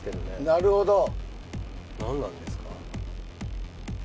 なるほど何なんですか？